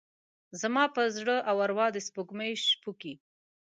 زما پر زړه او اروا د سپوږمۍ شپوکې،